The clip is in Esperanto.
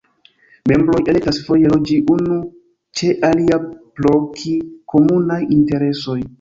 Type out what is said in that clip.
Membroj elektas foje loĝi unu ĉe alia pro pli komunaj interesoj.